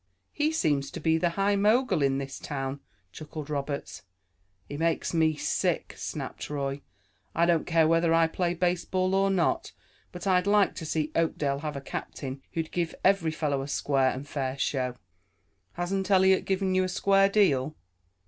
"He seems to be the high mogul in this town," chuckled Roberts. "He makes me sick!" snapped Roy. "I don't care whether I play baseball or not, but I'd like to see Oakdale have a captain who'd give every fellow a square and fair show." "Hasn't Eliot given you a square deal?"